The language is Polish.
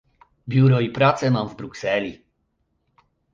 Biuro i pracę mam w Brukseli